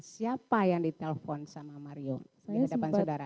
siapa yang ditelepon sama mario di hadapan saudara